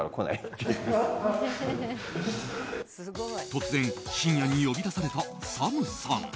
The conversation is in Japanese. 突然、深夜に呼び出されたＳＡＭさん。